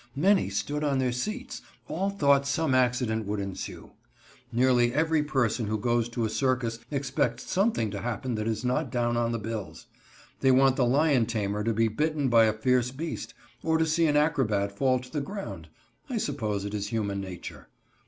Many stood on their seats; all thought some accident would ensue. Nearly every person who goes to a circus expects something to happen that is not down on the bills. They want the lion tamer to be bitten by a fierce beast, or to see an acrobat fall to the ground. I suppose it is human nature.